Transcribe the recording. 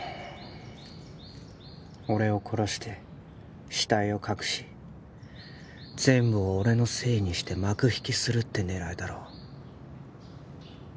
俺を殺して死体を隠し全部を俺のせいにして幕引きするって狙いだろう